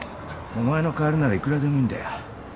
お前の代わりならいくらでもいるんだよ。